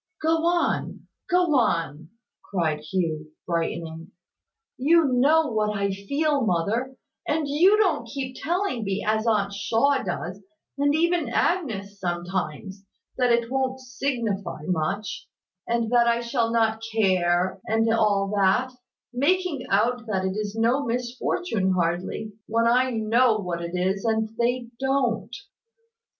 "Go on! Go on!" cried Hugh, brightening. "You know what I feel, mother; and you don't keep telling me, as Aunt Shaw does (and even Agnes sometimes), that it wont signify much, and that I shall not care, and all that; making out that it is no misfortune hardly, when I know what it is, and they don't."